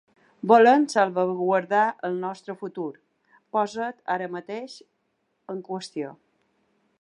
Volem salvaguardar el nostre futur, posat ara mateix en qüestió.